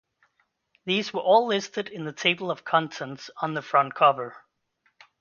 These were all listed in the Table of Contents on the front cover.